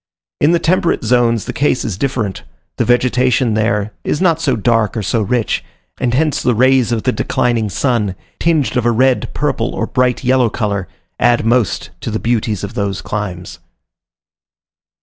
In the temperate zones the case is different the vegetation there is not so dark or so rich, and hence the rays of the declining sun, tinged of a red, purple, or bright yellow color, add most to the beauties of those climes.